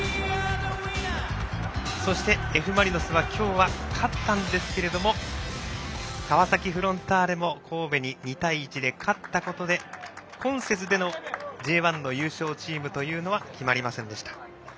そして、Ｆ・マリノスは今日は勝ったんですけれども川崎フロンターレも神戸に２対１で勝ったことで今節でのＪ１の優勝チームというのは決まりませんでした。